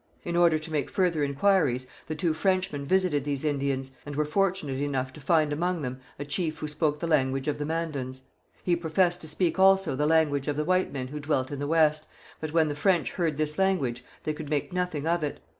In order to make further inquiries the two Frenchmen visited these Indians, and were fortunate enough to find among them a chief who spoke the language of the Mandans. He professed to speak also the language of the white men who dwelt in the West, but when the French heard this language they could make nothing of it.